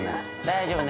大丈夫。